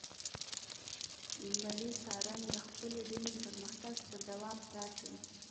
لمری څارن د خپلې ډلې پرمختګ پر دوام څار کوي.